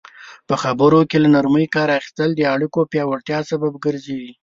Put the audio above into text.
په خبرو کې له نرمي کار اخیستل د اړیکو پیاوړتیا سبب ګرځي.